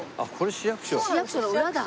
市役所の裏だ。